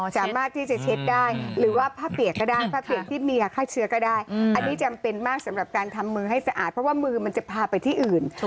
สามารถที่จะเช็ดได้หรือว่าผ้าเปียกก็ได้ผ้าเปียกที่เมียฆ่าเชื้อก็ได้อันนี้จำเป็นมากสำหรับการทำมือให้สะอาดเพราะว่ามือมันจะพาไปที่อื่น